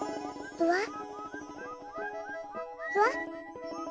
ふわっ。